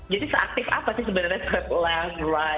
jadi seaktif apa sih sebenarnya setelah